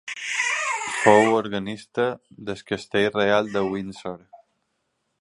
Fou organista del castell reial de Windsor.